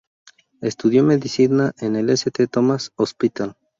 Estudió medicina en el St Thomas’s Hospital.